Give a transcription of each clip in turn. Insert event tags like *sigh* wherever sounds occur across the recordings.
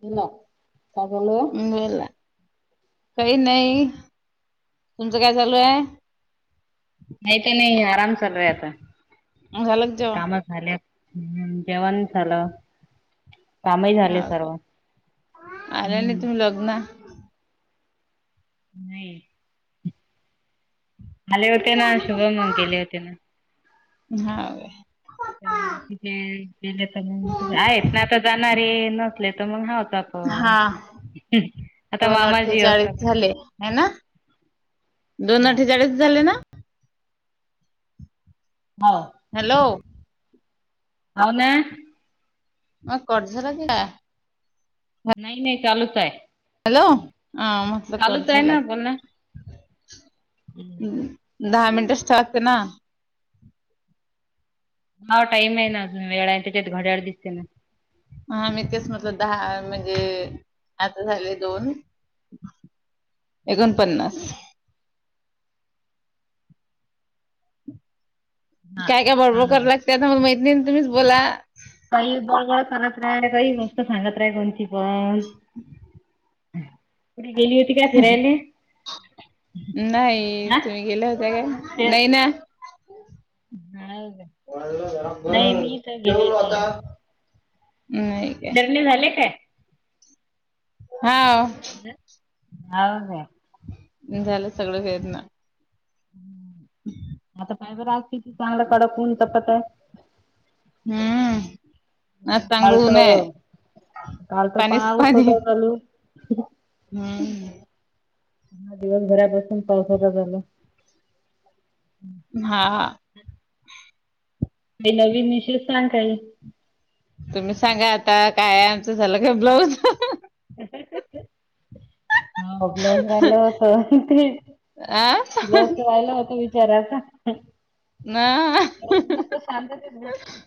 बोला काय चालू आहे. हं, बोला काही नाही तुमचं काय चालू आहे. काही त नाही आराम चालू आहे आता. झालं का जेवणं. काम झाल्या हम्म जेवणं झालं. कामही झाले हा काय सर्व आल्या नाही हम्म तुम्ही लग्न नाही. आले होते ना शुभम मग गेले होते ना. हाव. मग बाकीचे गेले तर मग आहेत ना आता जाणारे नसले तर मग हा. हा आता दोन मामाजी अठ्ठेचाळीस असत झाले हे ना. दोन हो अठ्ठेचाळीच झाले ना. हॅलो. हव ना. मग कट झाला की काय? नाही नाही चालूच आहे हॅलो हा म्हटलं कट चालूच आहे झाला ना की बोल काय. ना. *unintelligible* हम्म, दहा मिनिटच ठेवा लागते ना. हा टाईम आहे ना वेळ आहे त्याच्यात घड्याळ दिसते ना. हा मी तेच म्हटलं दहा म्हणजे आता झाले दोन एकोणपन्नास. हा काय काय बळबळ चालू करा दे लागते आता मला माहित नाही ना तुम्हीच बोला. काही बळबळ करत राहा काही गोष्ट सांगत राहा कोणची पण कुठी गेली होती का फिरायला. नाही तुम्ही गेल्या होत्या का ते नाही ना. हाव काय वाढलं जरा नाही म्हणून मी काही गेली जेवलो नाही आता. आज. नाही काय धंदे झाले काय. हा. हाव काय. झालं सगळं पेरण. आता पाय *unintelligible* चांगलं कडक तपत आहे. हम्म. म चांगलं काल ऊनय तर काल तर पानीस पाऊस पाणी. होता चालू. हा. हा दिवसभरापासून पावसाचा झाल हा. म नवीन विशेश सांग काही. तुम्ही सांगा आता काय आमचं झालं काय ब्लाऊज *unintelligible* हाव ब्लाऊज राहिलं होत ते आ ब्लाज राहिलं होत वि कराचा ना ओ हम्म मस्त शांततेत भेट.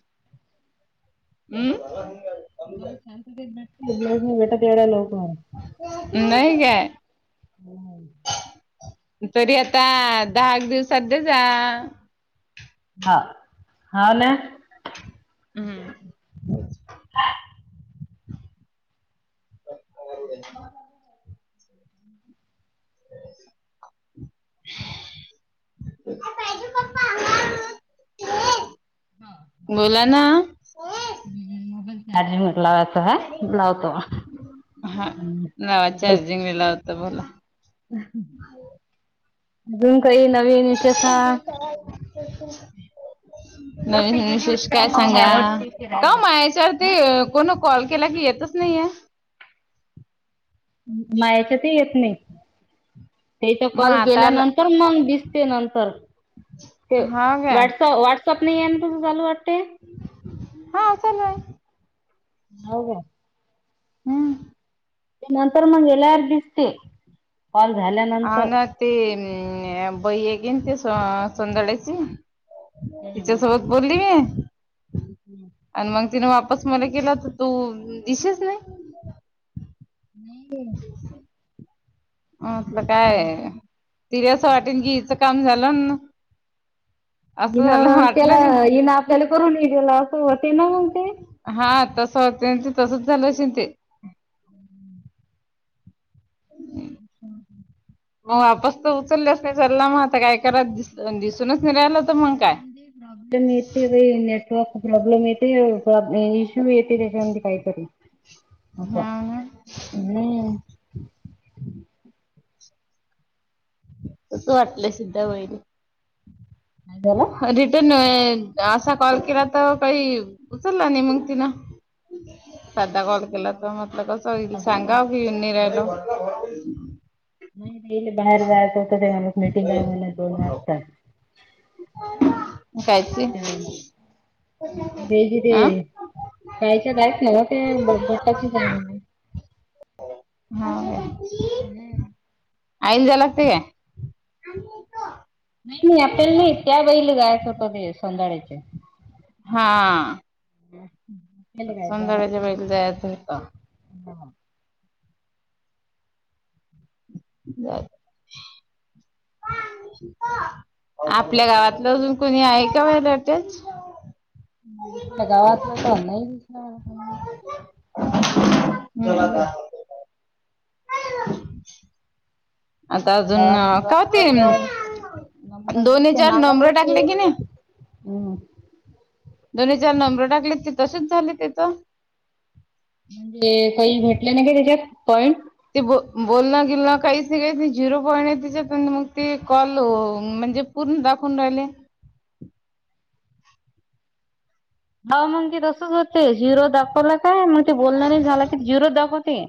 *unintelligible* नाही काय. तरी आता दहा एक दिवसध जा हा हाव ना. हम्म तेच. *unintelligible* *inaudible* *inaudible* बोला ना. *unintelligible* लावायच ह लावतो. हा लावा चार्जिंग *unintelligible* अजून काही नवीन विशेष. बस काही नवीन गेली विशेष होती का काय मग ह्या सांगा? वर्षी का फिरायला माहित हम्म. याच्यावरती कोण कॉल केला की येतच नाहीय. मायाच्यात येत नाही. तेचा मग कॉल आता आला गेल्यानंतर मग दिसते नंतर ते हा काय वट्सप व्हॉट्सअप नाही आहे ना कस चालू वाटते हा आहे *unintelligible* हम्म. नंतर मग क्लिअर दिसते. कॉल हा झाल्यानंतर. ना ते अ बही आहे केन ते संदळ्याची हम्म तिच्या सोबत बोलली हम्म. आणि मग तिने वापस मला केला तर तू दिशस नाही. नाही. अलं काय तिला अस वाटेल की हिचं काम झालं म्हणून इन केला हन आपल्याला करून ये दिेला असंते ना मग ते. हा तस त्यां तसच झालं असेल ते. *inaudible* मग वापस तर उचलल्याच नाही चचाला मग आता काय करातस दिसूनच नाही राहिला तर मग ए काय प्रॉब्लेम येते नेटवर्क प्रॉब्लेम प्रॉब्लेम येते इश्यूी येते त्याच्यामध्ये काहीतरी. अस हा ना हम्म. कस वाटलंय सिद्ध्या वहिणी? काय झालं? रिटर्न असा कॉल केला तर काही उचलला नाही मग तिन साधा कॉल केला तर म कस होईल सांगा कि येऊन नाही राहिलो. नाहीरे बाहेर जायचं होतं तेव्हालाच मिटिंग आहे म्हनल दोन वाजता. *inaudible* तेव्हा बेजी ते आं. कायच्यात आहेत ना म ते भटाचीच आहे म्हन. हा. हम्म. आईने जायला लागते काय? मी येतो. नाही नाही आपल्याला नाही त्या बाईला गायच होत ते सोंगाड्याच्या. हा. आपल्याला काय जायला सौंदळग्याच्या लागते बाईला जायचं होतं. पाणी प आपल्या गावातलं अजून कोणी आहे का ओ इथेच? आपल्या गावात ना तर नाही. चला का घरात होते तर नंबर दोन्ही दिसते चार माझ्या मूळ नंबर ते टाकले की नाही हम्. दोन्ही चार नंबर टाकले ते तसेच झाले तिथं. म्हणजे काही भेटले नाही का त्याच्यात पॉईंट ते ब बोलणं गिलण काहीच नाही काही नाही झिरो पॉईंट आहे त्याच्यात मग ते कॉल म्हणजे पूर्ण दाखवून राहिले. हो मग ते तसच होत ते झिरो दाखवला काय मग ते बोलन नाही झाला कि झिरो दाखवते.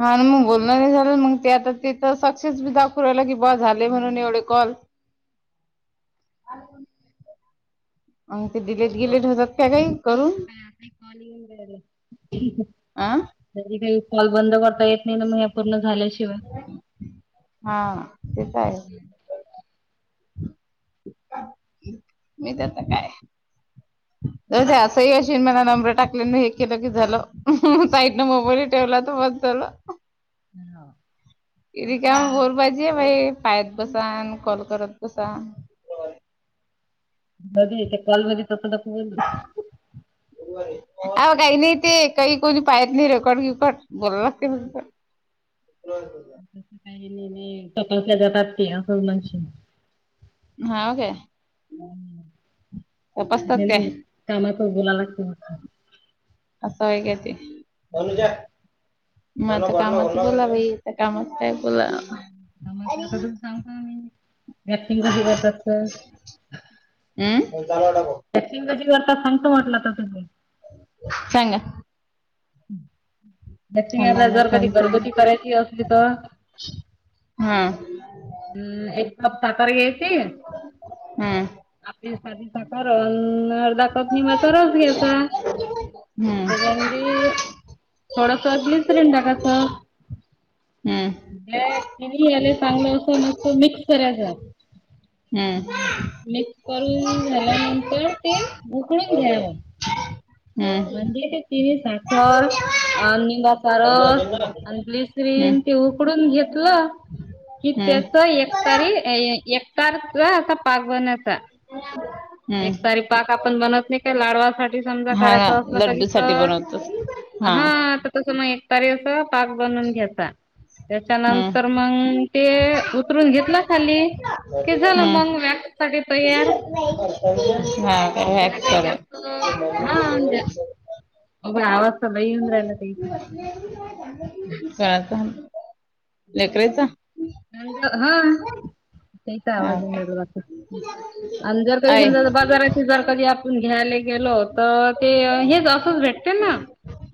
हा म झालं मग ते आता तिथ सक्सेस बी दाखवहिला की ब झाले म्हणून एवढे कॉल *unintelligible* अंग ते डिलेट गिलेट होतात काय काही करून? *unintelligible* आ कॉल बंद करता येत नाही पूर्ण झाल्या हा तेच आहे. *unintelligible* द असंही अशी मला नंबर टाकले हे केलं की झालं साईटन मोबाईल *unintelligible* *unintelligible* पायात बसा आणि कॉल करत बसा. *unintelligible* आहों काही नाही ते काही कोणी पाहत नाही रेकॉर्ड बिकोर्ड *unintelligible* तसं काही तपासल्या जातात अस *unintelligible* हा ओके. चालेल काय कामात बोलाला लागत. *unintelligible* *unintelligible* मला तर कामात बोला भाई त्या कामात काय बोला. *unintelligible* ऍक्टिंग कशी करतात? *unintelligible* याक्टिंग कशी करतात सांगत म्हटलं तर तुम्ही. सांगा *inaudible* त्या थांबा प्रियाला ना जर कधी फोन कर घरगुती करायची असली तर? हा हम्म एक कप साखर घ्यायची हम्म *inaudible* साधी साखर दाखवत नाही मग तरच घ्यायचा हम्म. त्याच्यामध्ये थोडंसं मिसरन टाकाच. हम्म. याले चांगलं अस मस्त मिक्स करायचं. हम्. मिक्स करून झाल्यानंतर ते उकडून हम्म घ्याव हम्म म्हणजे ते तिवी साखर अ निंबा सारस आणि ती आणि हम्म ती ते उकडून घेतलं *unintelligible* पाक बनाचा हम्म एक तरी पाक आपण बनत नाही का लाडवासाठी सम हा च ना, असलं तरी लड्डू साठी तर बनवतोस हा तर तस मग एकतारी अस पाक बनवून घ्यायचा. त्याच्यानंतर हम्म मग ते उतरून घेतला खाली कि झालं मग हम्म व्याक् साठी तयार हा काय त्याला हॅक काही कराय जास्त *unintelligible* *unintelligible* लेकरेचा हम्म्म. हा. हा काय *unintelligible* आणि जर कधी आहे समजा बाजाराची जर कधी आपण घ्यायला गेलो तर ते हेच असंच भेटतील ना?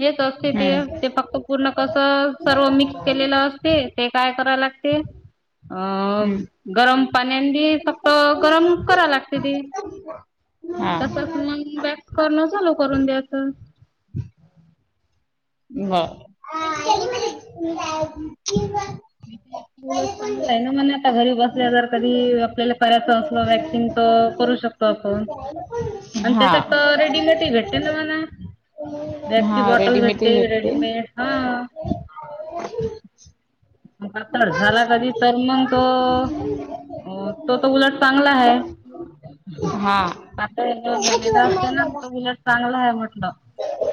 हेच असते ते हम्म ते फक्त पूर्ण कस सर्व मिक्स केलेलं अस ते काय- करावं लागतील अं हम्म *inaudible* गरम पाण्या बी फक्त गरम करावं लागते ती हा तसच मग वॅस *inaudible* करणं चालू करून द्यायच *inaudible* ह *inaudible* उलट *inaudible* चांगला आहे ना म्हणा आता घरी बसल्या कधी आपल्याला करायचं असल वॅक्सिंग करू शकतो आपण आणि हा. त्याच्या तर रेडीमेडी भेटते ना मला वॅक्स ची हा बॉटल रेडीमेडही भेटते रेडीमेड *inaudible* हा *inaudible* कथड *unintelligible* झाला कधी तर मंग तो हो तो तर उलट चांगला आहे हा *inaudible* आता *unintelligible* झालेलं असत ना त बलट चांगला आहे म्हटलं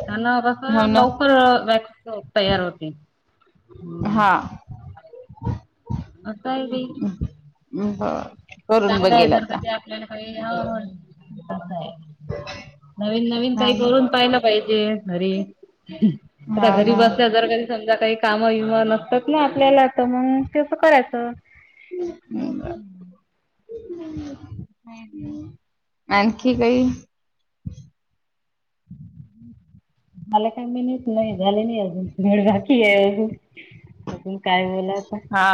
त्यांना कस हो ना लवकर वॅक्स तयार होते *inaudible* हम् हा *inaudible* करून चांगलं *inaudible* आहे बघेल जर का आता ते आपल्याला काहीय ह *inaudible* नवीन- नवीन काही करून पाहिला पाहिजे घरी *inaudible* आता हा घरी ना बसल्या जर कधी समजा काही काम विम नसतात ना आपल्याला तर मग तेस करायचं हम्म *inaudible* हम्- हम् आणखी काही *inaudible* हम् *inaudible* मला काय माहित नाही झाले नाही अजून दड बाकी आहे अजून अज *inaudible* काय बोलता हा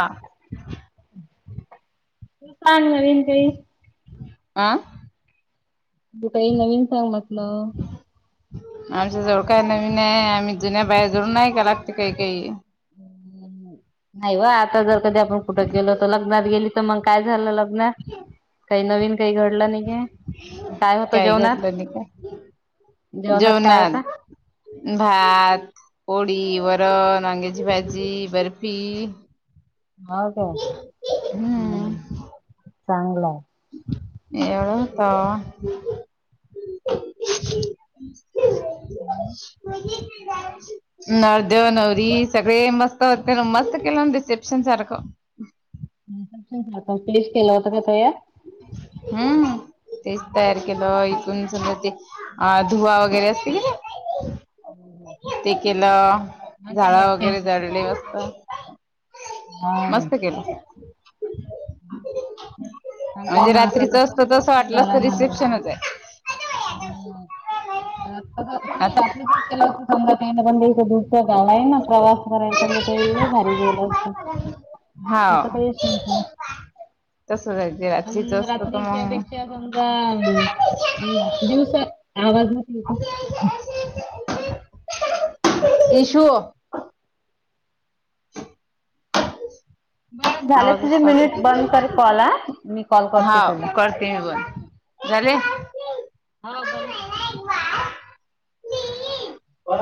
चांगलं विनकळी *unintelligible* आ तू काही नवीन सांग म्हटलं आमच्या जवळ काय नवीन आहे आम्ही जुन्या बाहेर जवळून नाही का लागते काही काही हम्म, नाही वा आता जर कधी आपण कुठं गेलो तर लग्नात गेली तर मग काय झालं लग्नात काही नवीन काही घडलं नाही काय होतं काय जेवणात घडलं नाही काय काय जेवणात होता भात पोळी वरन वरण वांग्याची भाजी बर्फी हो का हम् चांगलं एवढंच म नवरदेव नवरी सगळे मस्त होते मस्त केलं ना रिसेप्शन सारखं हम प्लिश केलं होत का तयार हा तेच तयार केलं इकून समजा ते अ धुवा वगैरे असतील कि ना हम् हम केलं झाड वगैरे जळले असत मस्त केलं हम्म चांगला म्हणजे ना आता रात्रीच असत तसस तसं वाटलं असत निघाला ना रिसेप्शनच ह नाही रात्रीचा केला आहे अस सज गला आहे ना प्रवास करायल को इल्ले भारी गईल अस असं काही अस तस अ रात्रीच्या पेक्षा समजा आ हम् दिवसा आवाज न होता इशु झाले आवाजच तुझे मिनिट करते बंद कर कॉल हा मी कॉल हा करते तुला करते मी पण जा रे हा बंद हो